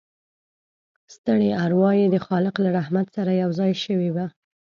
ستړې اروا يې د خالق له رحمت سره یوځای شوې وه